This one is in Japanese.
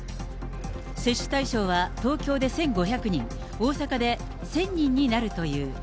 接種対象は東京で１５００人、大阪で１０００人になるという。